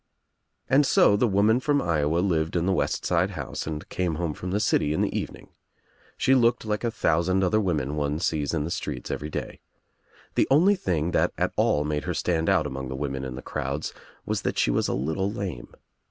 And so the woman from Iowa lived in the west side house and came home from the city in the evening. She looked like a thousand other women one sees In the streets every day. The only thing that at all made her stand out among the women in the crowds was that she was a little lame.